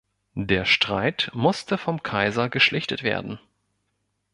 Der Streit musste vom Kaiser geschlichtet werden.